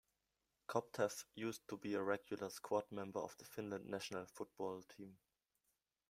Kopteff used to be a regular squad member of the Finland national football team.